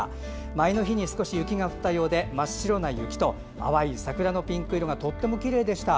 前の日に少し雪が降ったようで真っ白い雪と淡い桜のピンク色がとてもきれいでした。